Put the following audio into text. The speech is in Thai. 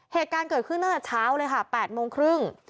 เหตุการณ์เกิดขึ้นตั้งแต่เช้าเลยค่ะ๘โมงครึ่ง